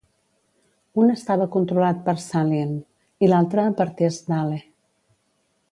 Un estava controlat per Saleam i l'altre per Teasdale.